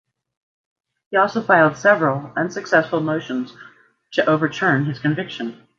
He also filed several unsuccessful motions to overturn his conviction.